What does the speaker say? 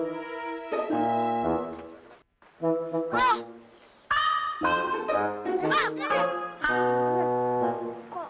kok kita semakin gini ya mainnya